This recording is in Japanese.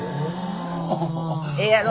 ええやろ？